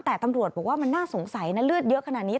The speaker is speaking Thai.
แต่ตำรวจบอกว่ามันน่าสงสัยนะเลือดเยอะขนาดนี้